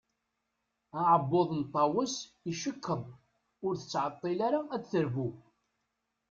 Aɛebbuḍ n Tawes icekkeḍ, ur tettɛeṭṭil ara ad d-terbu.